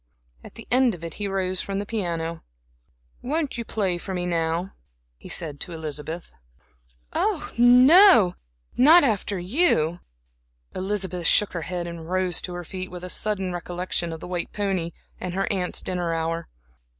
At the end of it he rose from the piano. "Won't you play for me now," he said to Elizabeth. "Oh, no, not after you." Elizabeth shook her head and rose to her feet, with a sudden recollection of the white pony and her aunt's dinner hour.